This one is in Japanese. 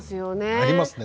なりますね